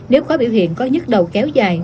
nếu có biểu hiện có nhức đầu kéo dài